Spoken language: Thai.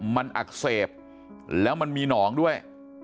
มันอักเสบแล้วมันมีหนองด้วย